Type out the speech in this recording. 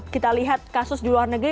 kita lihat kasus di luar negeri